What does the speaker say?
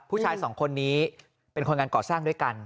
ผู้ชายสองคนนี้เป็นคนงานก่อสร้างด้วยกัน